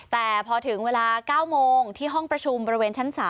แต่พอถึงเวลา๙โมงที่ห้องประชุมบริเวณชั้น๓